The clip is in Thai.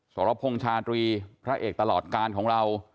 สรพงษ์ชาตรีพระเอกตลอดการของเรา